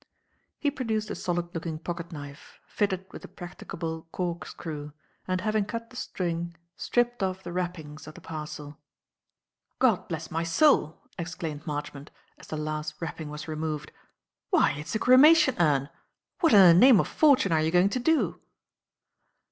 He produced a solid looking pocket knife, fitted with a practicable corkscrew, and, having cut the string, stripped off the wrappings of the parcel. "God bless my soul!" exclaimed Marchmont, as the last wrapping was removed; "why, it's a cremation urn! What in the name of Fortune are you going to do?"